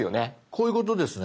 こういうことですね。